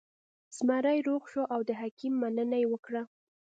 زمری روغ شو او د حکیم مننه یې وکړه.